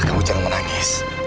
kamu jangan menangis